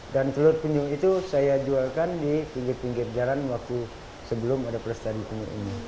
dan telur penyu itu saya jualkan di pinggir pinggir jalan sebelum ada pelestari penyu ini